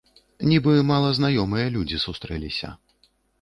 Нібы малазнаёмыя людзі сустрэліся.